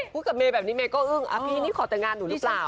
พูดกับเมย์แบบนี้เมย์ก็อึ้งพี่นี่ขอแต่งงานหนูหรือเปล่า